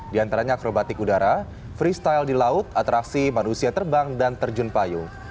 di antaranya akrobatik udara freestyle di laut atraksi manusia terbang dan terjun payung